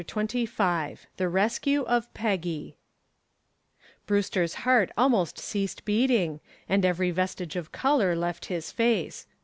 CHAPTER XXV THE RESCUE OF PEGGY Brewster's heart almost ceased beating, and every vestige of color left his face.